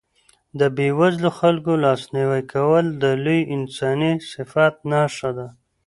د بېوزلو خلکو لاسنیوی کول د لوی انساني صفت نښه ده.